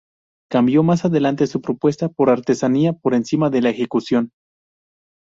Cambió más adelante su propuesta por "Artesanía por encima de la ejecución".